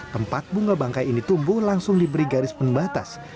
tempat bunga bangkai ini tumbuh langsung diberi garis pembatas